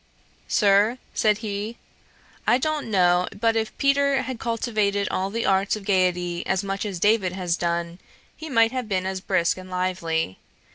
'Sir, (said he,) I don't know but if Peter had cultivated all the arts of gaiety as much as David has done, he might have been as brisk and lively.